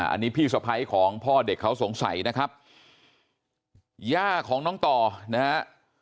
อันนี้พี่สะพ้ายของพ่อเด็กเขาสงสัยนะครับย่าของน้องต่อนะฮะ